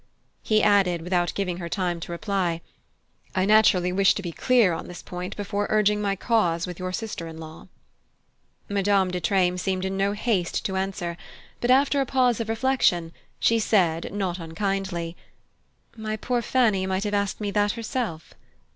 He added, without giving her time to reply: "I naturally wish to be clear on this point before urging my cause with your sister in law." Madame de Treymes seemed in no haste to answer; but after a pause of reflection she said, not unkindly: "My poor Fanny might have asked me that herself."